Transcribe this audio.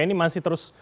ini masih terus